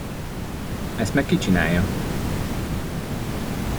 Ezt meg ki csinálja?